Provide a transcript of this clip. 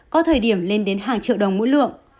có thời điểm lên đến hàng triệu đồng mỗi lượng